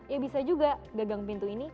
ya bisa juga gagang pintu ini